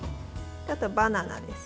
あとはバナナです。